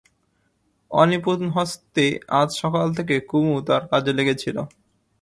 অনিপুণ হস্তে আজ সকাল থেকে কুমু তার কাজে লেগেছিল।